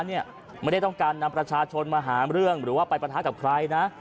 ไม่ได้ต้องการนำประชาชนมาหาเรื่องหรือว่าไปปะทะกับใครนะ